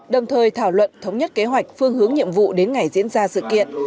đồng thời thảo luận thống nhất kế hoạch phương hướng nhiệm vụ đến ngày diễn ra sự kiện